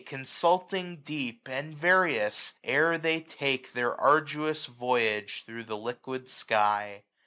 Consulting deep, and various, ere they take Their arduous voyage thro' the liquid sky.